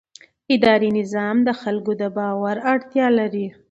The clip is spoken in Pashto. اداري نظام د خلکو د باور اړتیا لري.